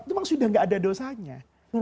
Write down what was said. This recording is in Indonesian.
itu maksudnya nggak ada dosanya